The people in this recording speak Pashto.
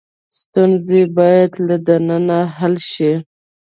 ستونزې باید له دننه حل شي.